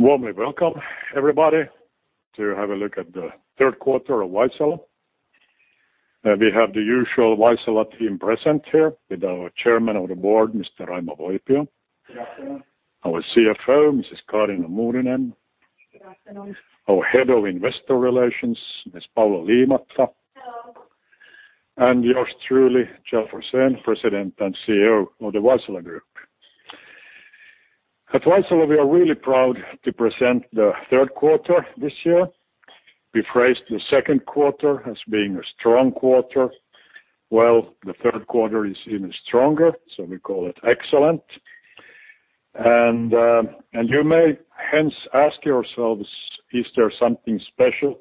Warmly welcome, everybody, to have a look at the third quarter of Vaisala. We have the usual Vaisala team present here with our Chairman of the Board, Mr. Raimo Voipio. Good afternoon. Our CFO, Mrs. Kaarina Muurinen. Good afternoon. Our Head of Investor Relations, Ms. Paula Liimatta. Hello. Yours truly, Kjell Forsén, President and CEO of the Vaisala Group. At Vaisala, we are really proud to present the third quarter this year. We phrased the second quarter as being a strong quarter. Well, the third quarter is even stronger, so we call it excellent. You may hence ask yourselves, is there something special,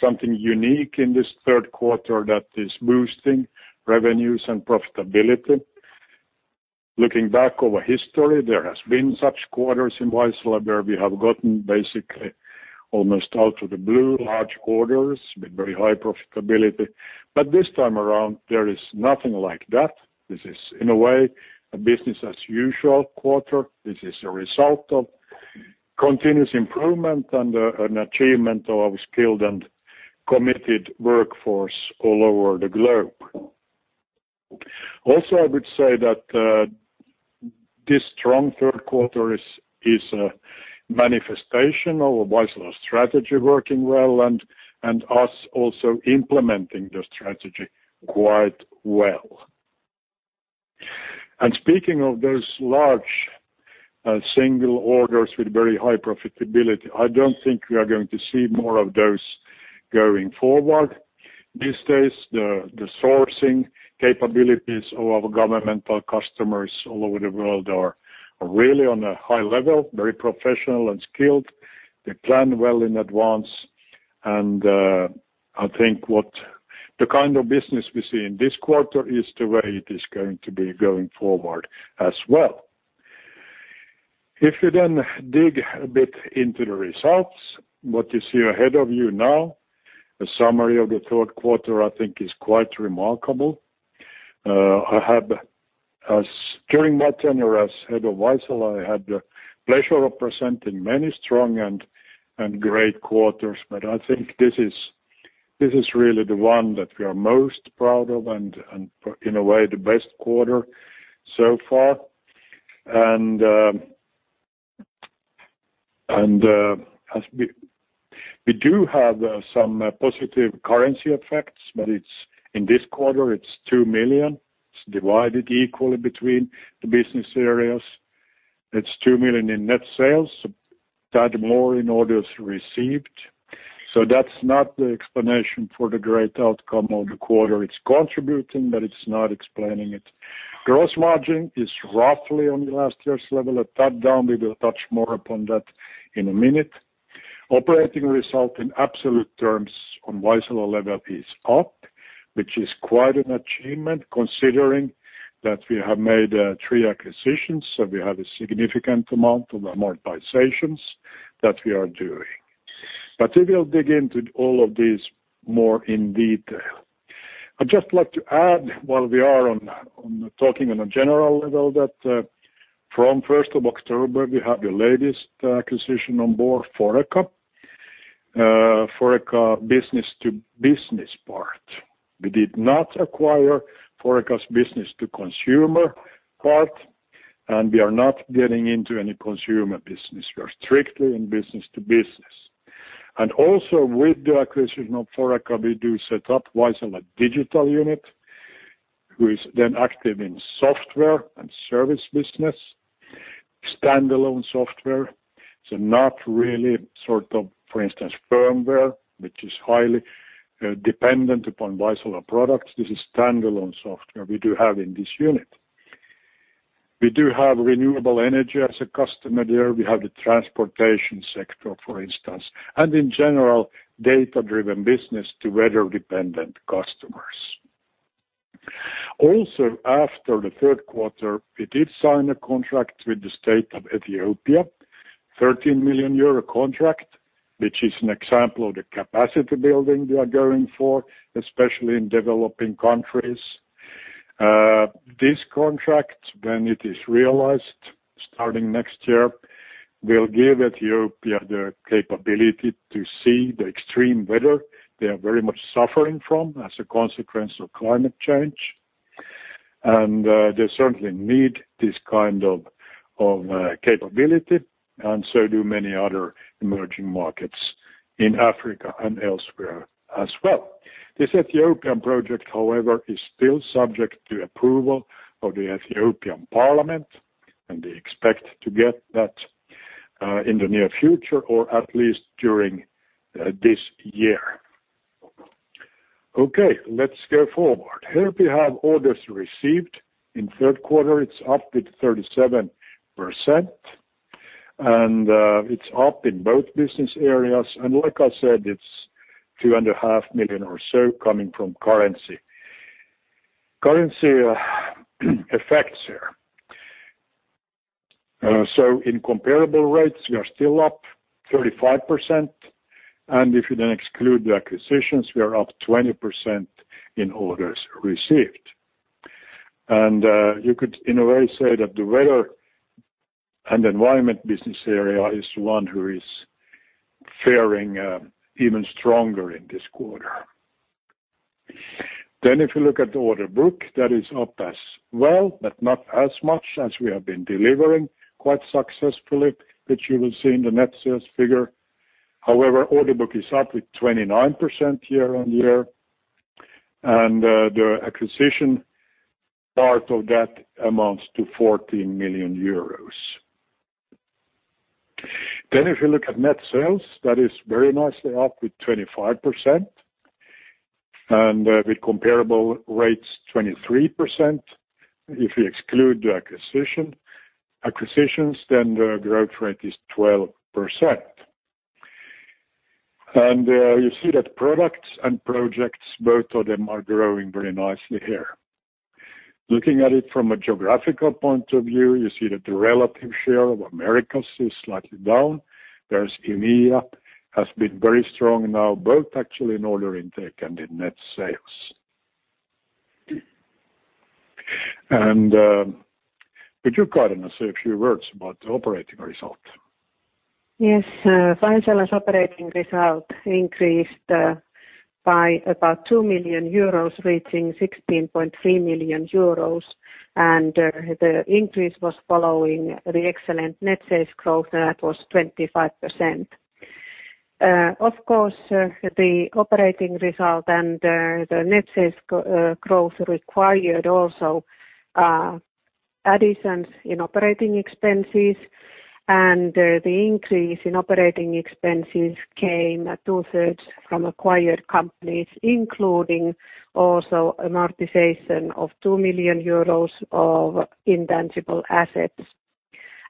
something unique in this third quarter that is boosting revenues and profitability? Looking back over history, there has been such quarters in Vaisala where we have gotten basically almost out of the blue large orders with very high profitability. This time around, there is nothing like that. This is, in a way, a business as usual quarter. This is a result of continuous improvement and an achievement of our skilled and committed workforce all over the globe. I would say that this strong third quarter is a manifestation of Vaisala's strategy working well and us also implementing the strategy quite well. Speaking of those large single orders with very high profitability, I don't think we are going to see more of those going forward. These days, the sourcing capabilities of our governmental customers all over the world are really on a high level, very professional and skilled. They plan well in advance. I think what the kind of business we see in this quarter is the way it is going to be going forward as well. If you dig a bit into the results, what you see ahead of you now, a summary of the third quarter, I think is quite remarkable. During my tenure as head of Vaisala, I had the pleasure of presenting many strong and great quarters, but I think this is really the one that we are most proud of and in a way, the best quarter so far. We do have some positive currency effects, but in this quarter it's 2 million. It's divided equally between the business areas. It's 2 million in net sales, a tad more in orders received. That's not the explanation for the great outcome of the quarter. It's contributing, but it's not explaining it. Gross margin is roughly on last year's level, a tad down. We will touch more upon that in a minute. Operating result in absolute terms on Vaisala level is up, which is quite an achievement considering that we have made three acquisitions. We have a significant amount of amortizations that we are doing. We will dig into all of these more in detail. I'd just like to add while we are on talking on a general level, that from 1st of October, we have the latest acquisition on board, Foreca. Foreca business-to-business part. We did not acquire Foreca's business-to-consumer part, and we are not getting into any consumer business. We are strictly in business-to-business. Also with the acquisition of Foreca, we do set up Vaisala Digital unit, which is then active in software and service business, standalone software. Not really sort of, for instance, firmware, which is highly dependent upon Vaisala products. This is standalone software we do have in this unit. We do have renewable energy as a customer there. We have the transportation sector, for instance, and in general, data-driven business to weather-dependent customers. After the third quarter, we did sign a contract with the state of Ethiopia, a 13 million euro contract, which is an example of the capacity building we are going for, especially in developing countries. This contract, when it is realized starting next year, will give Ethiopia the capability to see the extreme weather they are very much suffering from as a consequence of climate change. They certainly need this kind of capability, and so do many other emerging markets in Africa and elsewhere as well. This Ethiopian project, however, is still subject to approval of the Ethiopian Parliament, and they expect to get that in the near future or at least during this year. Let's go forward. Here we have orders received in the third quarter. It's up with 37%, and it's up in both business areas. Like I said, it's two and a half million EUR or so coming from currency effects here. In comparable rates, we are still up 35%. If you then exclude the acquisitions, we are up 20% in orders received. You could, in a way, say that the Weather and Environment Business Area is one who is faring even stronger in this quarter. If you look at the order book, that is up as well, but not as much as we have been delivering quite successfully, which you will see in the net sales figure. However, order book is up with 29% year on year, and the acquisition part of that amounts to 14 million euros. If you look at net sales, that is very nicely up with 25%, and with comparable rates 23%. If you exclude the acquisitions, then the growth rate is 12%. You see that products and projects, both of them are growing very nicely here. Looking at it from a geographical point of view, you see that the relative share of Americas is slightly down. EMEA has been very strong now, both actually in order intake and in net sales. Could you, Kaarina, say a few words about the operating result? Yes. Vaisala's operating result increased by about 2 million euros, reaching 16.3 million euros, the increase was following the excellent net sales growth that was 25%. Of course, the operating result and the net sales growth required also additions in operating expenses, the increase in operating expenses came two-thirds from acquired companies, including also amortization of 2 million euros of intangible assets.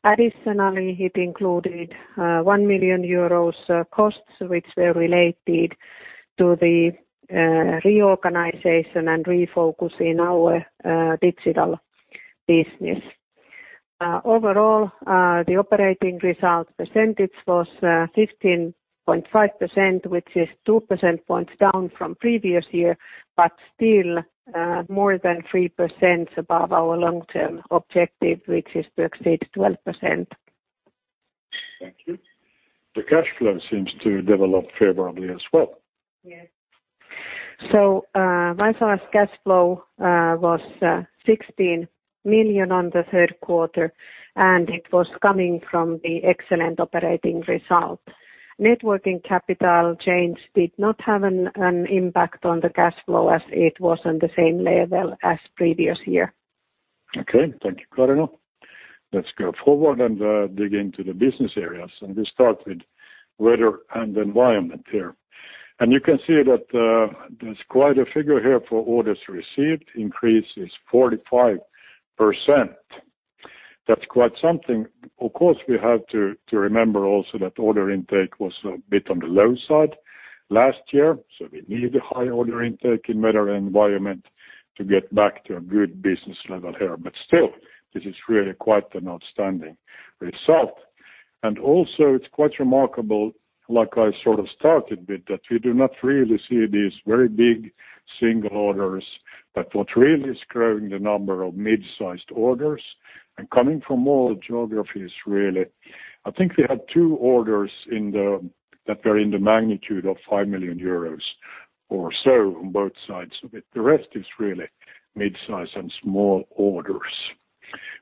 Additionally, it included 1 million euros costs, which were related to the reorganization and refocus in our digital business. Overall, the operating result percentage was 15.5%, which is 2% points down from previous year, still more than 3% above our long-term objective, which is to exceed 12%. Thank you. The cash flow seems to develop favorably as well. Yes. Vaisala's cash flow was 16 million on the third quarter, and it was coming from the excellent operating result. Net working capital change did not have an impact on the cash flow as it was on the same level as previous year. Okay. Thank you, Kaarina. Let's go forward, dig into the business areas. We start with Weather and Environment here. You can see that there's quite a figure here for orders received, increase is 45%. That's quite something. Of course, we have to remember also that order intake was a bit on the low side last year. We need a high order intake in Weather and Environment to get back to a good business level here. Still, this is really quite an outstanding result. Also it's quite remarkable, like I sort of started with, that we do not really see these very big single orders. What really is growing the number of mid-sized orders and coming from all geographies really. I think we have two orders that were in the magnitude of 5 million euros or so on both sides of it. The rest is really mid-size and small orders,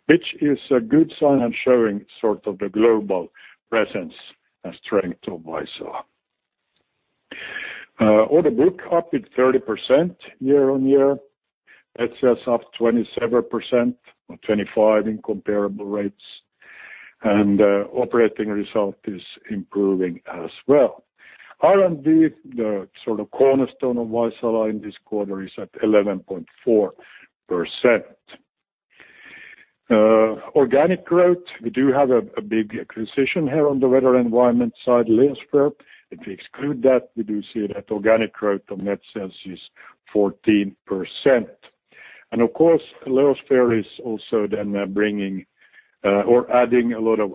which is a good sign and showing sort of the global presence and strength of Vaisala. Order book up with 30% year-on-year. Net sales up 27%, or 25% in comparable rates. Operating result is improving as well. R&D, the sort of cornerstone of Vaisala in this quarter, is at 11.4%. Organic growth, we do have a big acquisition here on the weather and environment side, Leosphere. If we exclude that, we do see that organic growth of net sales is 14%. Of course, Leosphere is also then bringing or adding a lot of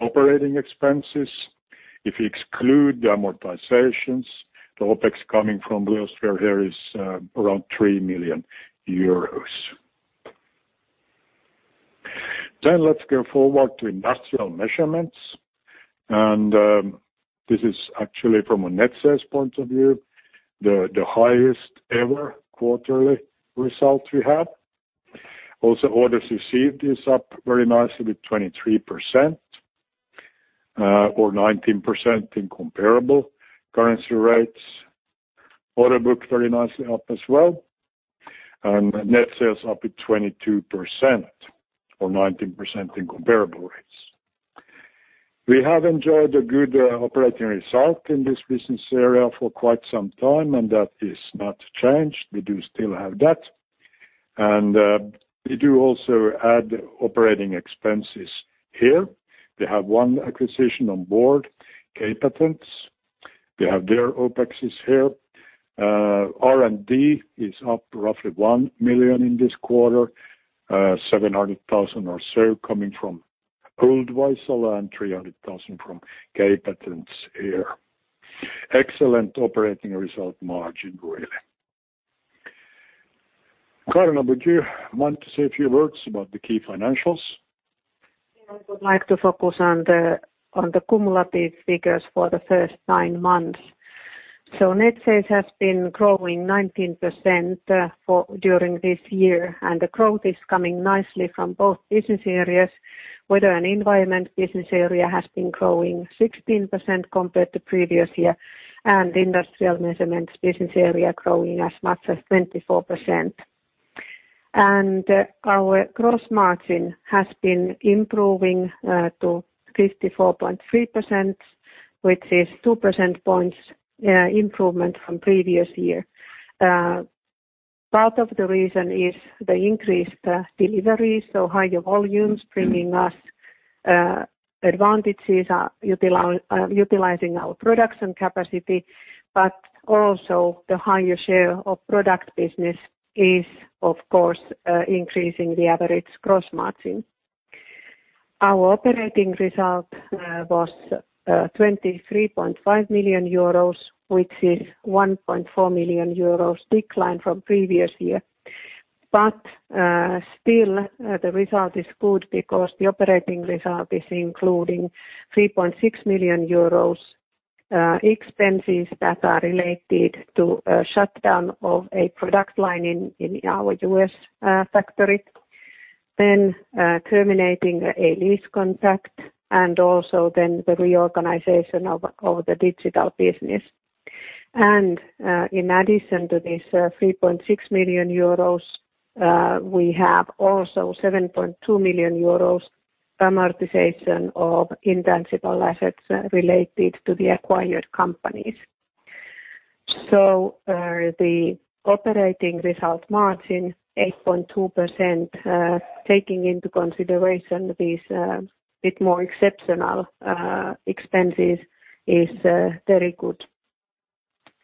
operating expenses. If you exclude the amortizations, the OPEX coming from Leosphere here is around 3 million euros. Let's go forward to industrial measurements. This is actually from a net sales point of view, the highest ever quarterly result we have. Orders received is up very nicely with 23%, or 19% in comparable currency rates. Order book very nicely up as well, net sales up with 22%, or 19% in comparable rates. We have enjoyed a good operating result in this business area for quite some time, that is not changed. We do still have that, we do also add operating expenses here. We have one acquisition on board, K-Patents. We have their OPEX here. R&D is up roughly 1 million in this quarter, 700,000 or so coming from old Vaisala and 300,000 from K-Patents here. Excellent operating result margin really. Kaarina, would you want to say a few words about the key financials? I would like to focus on the cumulative figures for the first nine months. Net sales has been growing 19% during this year, and the growth is coming nicely from both business areas. Weather and Environment Business Area has been growing 16% compared to previous year, and Industrial Measurements Business Area growing as much as 24%. Our gross margin has been improving to 54.3%, which is two percentage points improvement from previous year. Part of the reason is the increased deliveries, so higher volumes bringing us advantages, utilizing our production capacity, but also the higher share of product business is, of course, increasing the average gross margin. Our operating result was 23.5 million euros, which is 1.4 million euros decline from previous year. Still, the result is good because the operating result is including 3.6 million euros expenses that are related to a shutdown of a product line in our U.S. factory, then terminating a lease contract, and also then the reorganization of the Vaisala Digital business. In addition to this 3.6 million euros, we have also 7.2 million euros amortization of intangible assets related to the acquired companies. The operating result margin 8.2%, taking into consideration these bit more exceptional expenses, is very good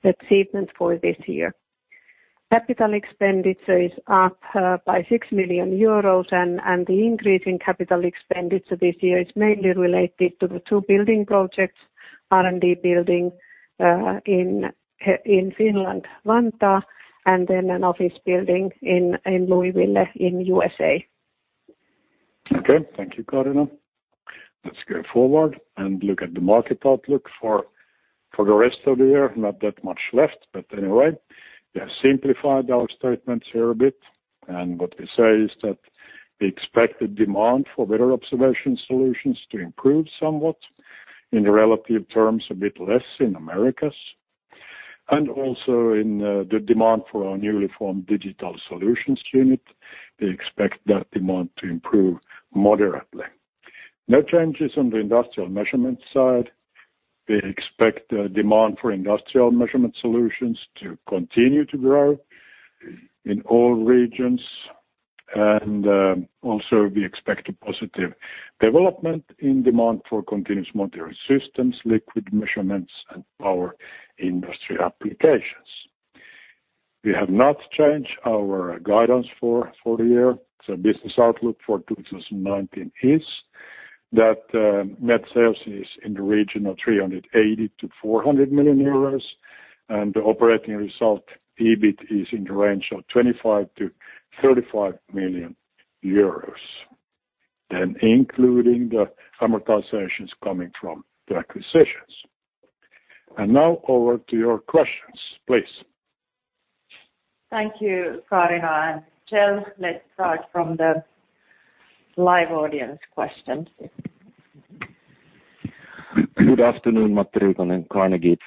achievement for this year. Capital expenditure is up by 6 million euros, and the increase in capital expenditure this year is mainly related to the two building projects, R&D building, in Finland, Vantaa, and an office building in Louisville in U.S.A. Okay. Thank you, Kaarina. Let's go forward and look at the market outlook for the rest of the year. Not that much left, but anyway. We have simplified our statements here a bit. What we say is that we expect the demand for better observation solutions to improve somewhat, in relative terms, a bit less in Americas. Also in the demand for our newly formed digital solutions unit, we expect that demand to improve moderately. No changes on the industrial measurement side. We expect the demand for industrial measurement solutions to continue to grow in all regions. Also we expect a positive development in demand for continuous monitoring systems, liquid measurements, and power industry applications. We have not changed our guidance for the year. Business outlook for 2019 is that net sales is in the region of 380 million-400 million euros and the operating result, EBIT, is in the range of 25 million-35 million euros, including the amortizations coming from the acquisitions. Now over to your questions, please. Thank you, Kaarina and Kjell. Let's start from the live audience questions. Good afternoon, Matti Ruonakangas Carnegie.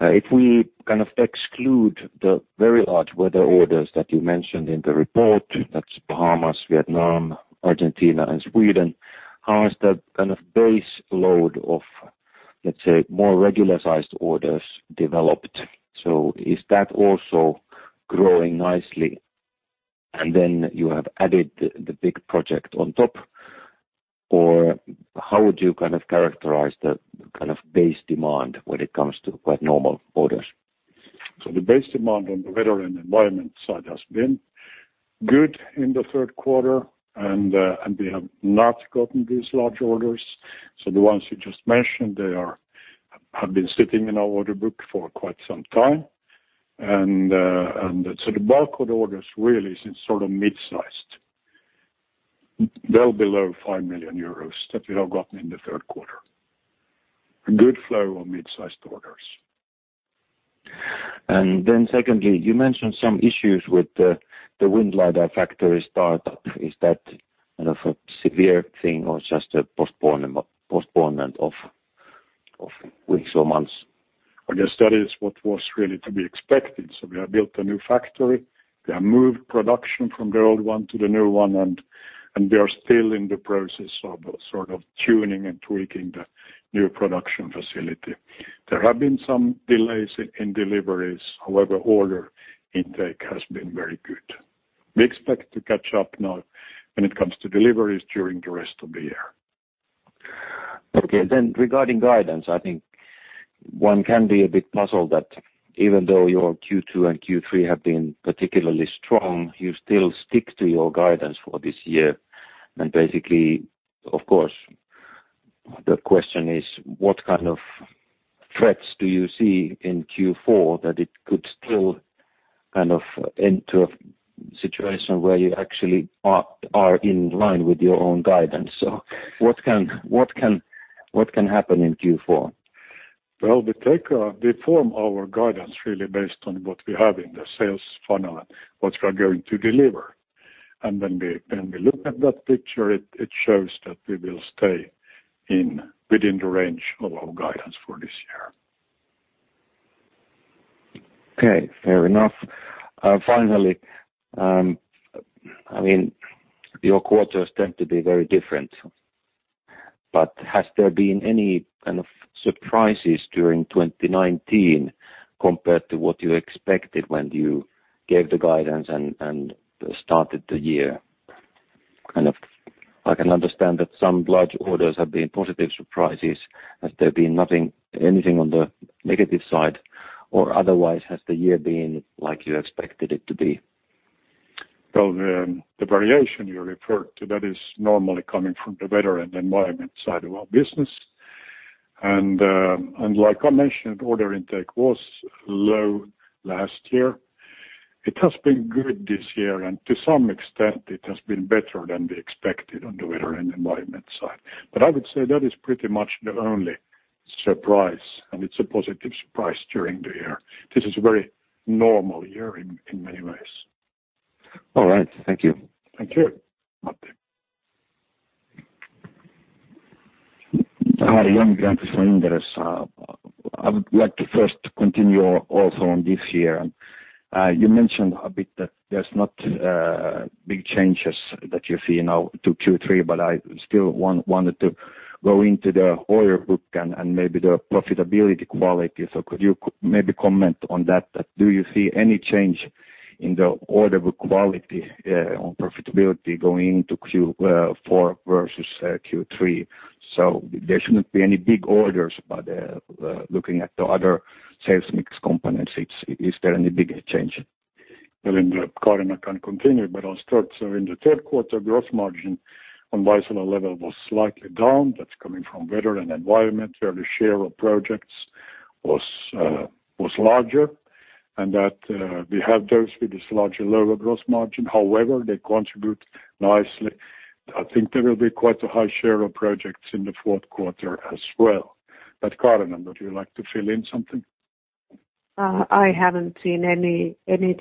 If we kind of exclude the very large weather orders that you mentioned in the report, that's Bahamas, Vietnam, Argentina, and Sweden, how has the kind of base load of, let's say, more regular-sized orders developed? Is that also growing nicely, and then you have added the big project on top? How would you kind of characterize the kind of base demand when it comes to quite normal orders? The base demand on the weather and environment side has been good in the third quarter, and we have not gotten these large orders. The ones you just mentioned, they have been sitting in our order book for quite some time. The bulk of orders really is sort of mid-sized, well below 5 million euros that we have gotten in the third quarter. A good flow of mid-sized orders. Secondly, you mentioned some issues with the Wind Lidar factory startup. Is that kind of a severe thing or just a postponement of weeks or months? I guess that is what was really to be expected. We have built a new factory. We have moved production from the old one to the new one, and we are still in the process of sort of tuning and tweaking the new production facility. There have been some delays in deliveries. However, order intake has been very good. We expect to catch up now when it comes to deliveries during the rest of the year. Okay. Regarding guidance, I think one can be a bit puzzled that even though your Q2 and Q3 have been particularly strong, you still stick to your guidance for this year. Basically, of course, the question is what kind of threats do you see in Q4 that it could still enter a situation where you actually are in line with your own guidance? What can happen in Q4? Well, we form our guidance really based on what we have in the sales funnel and what we are going to deliver. When we look at that picture, it shows that we will stay within the range of our guidance for this year. Okay, fair enough. Your quarters tend to be very different. Has there been any kind of surprises during 2019 compared to what you expected when you gave the guidance and started the year? I can understand that some large orders have been positive surprises. Has there been anything on the negative side, or otherwise, has the year been like you expected it to be? Well, the variation you referred to, that is normally coming from the weather and environment side of our business. Like I mentioned, order intake was low last year. It has been good this year, and to some extent it has been better than we expected on the weather and environment side. I would say that is pretty much the only surprise, and it's a positive surprise during the year. This is a very normal year in many ways. All right. Thank you. Thank you. Matti. Hi, Jan Granroth from Inderes. I would like to first continue also on this year. You mentioned a bit that there's not big changes that you see now to Q3, but I still wanted to go into the order book and maybe the profitability quality. Could you maybe comment on that? Do you see any change in the order book quality on profitability going into Q4 versus Q3? There shouldn't be any big orders, but looking at the other sales mix components, is there any big change? Well, Kaarina can continue, I'll start. In the third quarter, gross margin on Vaisala level was slightly down. That's coming from Weather and Environment. There, the share of projects was larger, and that we have those with this larger, lower gross margin. However, they contribute nicely. I think there will be quite a high share of projects in the fourth quarter as well. Kaarina, would you like to fill in something? I haven't seen any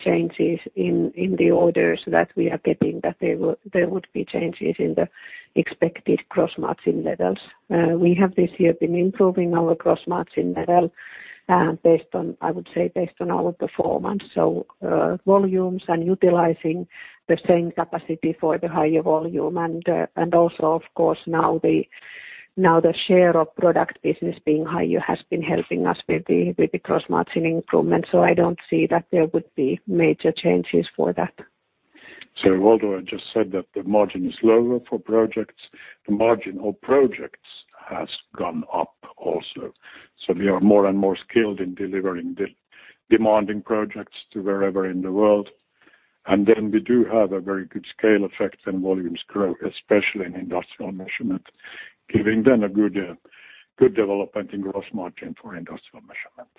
changes in the orders that we are getting that there would be changes in the expected gross margin levels. We have this year been improving our gross margin level, I would say, based on our performance. Volumes and utilizing the same capacity for the higher volume. Also, of course, now the share of product business being higher has been helping us with the gross margin improvement. I don't see that there would be major changes for that. Although I just said that the margin is lower for projects, the margin of projects has gone up also. We are more and more skilled in delivering the demanding projects to wherever in the world. We do have a very good scale effect and volumes growth, especially in industrial measurement, giving then a good development in gross margin for industrial measurement.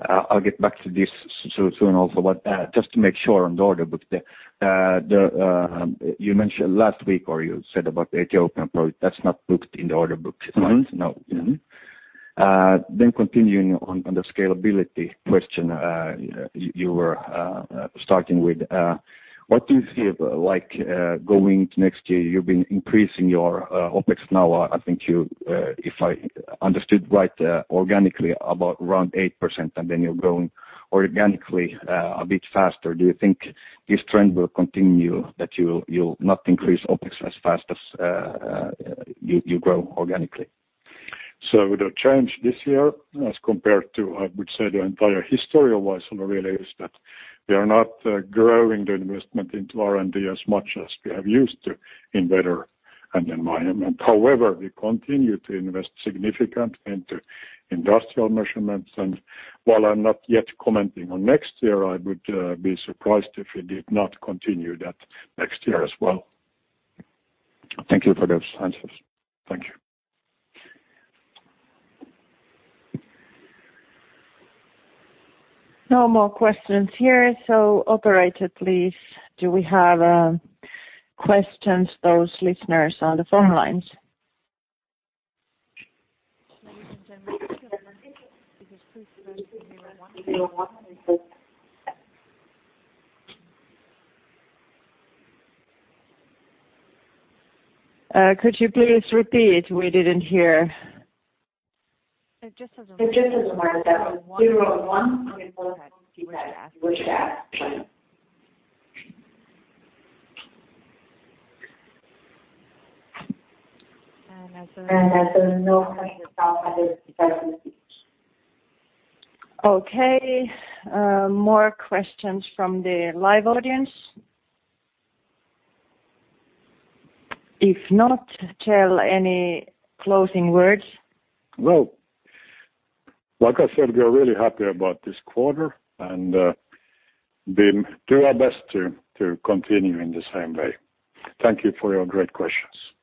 I'll get back to this soon also, but just to make sure on the order book there. You mentioned last week or you said about the Ethiopian project, that's not booked in the order book as far as you know? Continuing on the scalability question you were starting with. What do you feel like going into next year? You've been increasing your OPEX now, I think, if I understood right, organically about around 8%, and then you're growing organically a bit faster. Do you think this trend will continue, that you'll not increase OPEX as fast as you grow organically? The change this year as compared to, I would say, the entire history of Vaisala, really, is that we are not growing the investment into R&D as much as we have used to in weather and environment. However, we continue to invest significant into industrial measurements. While I'm not yet commenting on next year, I would be surprised if we did not continue that next year as well. Thank you for those answers. Thank you. No more questions here. Operator, please, do we have questions, those listeners on the phone lines? Could you please repeat? We didn't hear. It just doesn't look like that was zero one. Okay, go ahead. You wish to ask, Jan. As there's no coming to stop either, because of the speech. Okay. More questions from the live audience? If not, Kjell any closing words. Well, like I said, we are really happy about this quarter, and we'll do our best to continue in the same way. Thank you for your great questions.